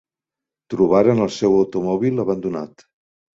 Trobaren el seu automòbil abandonat.